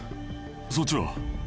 そっちは？